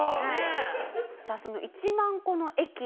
さあその１万個の駅